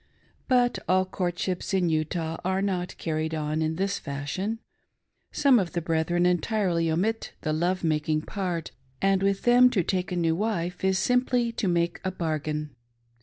But all courtships in Utah are not carried on in this fashion. Some of the brethren entirely omit the love making part, and with them to take a new wife is simply to make a bargain.